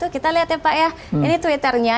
kita lihat ya pak ya ini twitternya